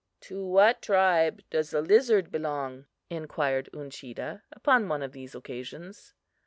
"To what tribe does the lizard belong?" inquired Uncheedah, upon one of these occasions.